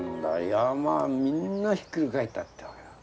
山みんなひっくり返ったってわけだ。